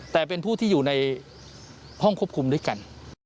แต่เป็นผู้ที่อยู่ในห้องควบคุมด้วยกัน